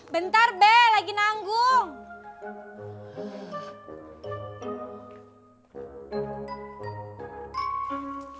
bentar be lagi nanggung